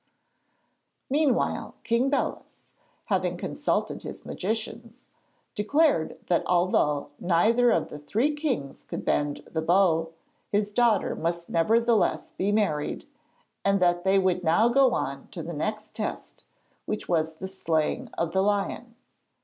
Meanwhile King Belus, having consulted his magicians, declared that although neither of the three kings could bend the bow, his daughter must nevertheless be married, and that they would now go on to the next test, which was the slaying of the lion.